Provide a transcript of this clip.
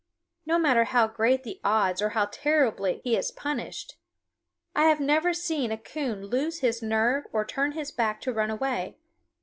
No matter how great the odds or how terribly he is punished, I have never seen a coon lose his nerve or turn his back to run away.